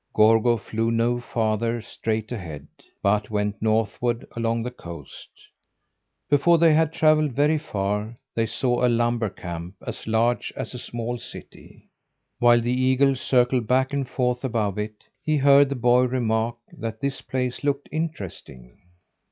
Gorgo flew no farther straight ahead, but went northward along the coast. Before they had travelled very far they saw a lumber camp as large as a small city. While the eagle circled back and forth above it, he heard the boy remark that this place looked interesting.